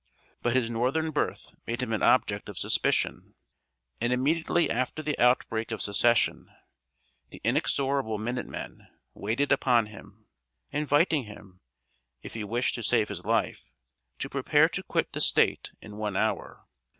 But his northern birth made him an object of suspicion; and, immediately after the outbreak of Secession, the inexorable Minute Men waited upon him, inviting him, if he wished to save his life, to prepare to quit the State in one hour.